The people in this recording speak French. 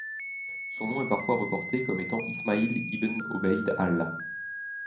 Son nom est parfois reporté comme étant Ismaïl ibn Obeïd Allah.